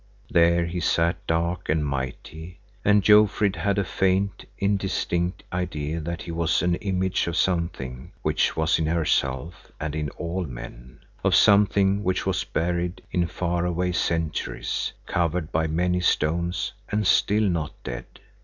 There he sat dark and mighty, and Jofrid had a faint, indistinct idea that he was an image of something which was in herself and in all men, of something which was buried in far away centuries, covered by many stones, and still not dead.